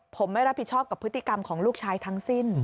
ผมไม่รับผิดชอบกับพฤติกรรมของลูกชายทั้งสิ้น